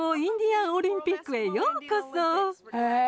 へえ。